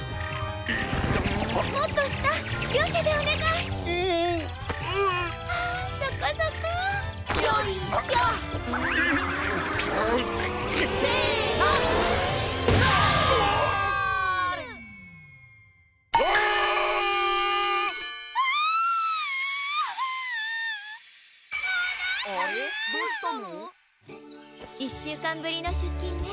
１しゅうかんぶりのしゅっきんね。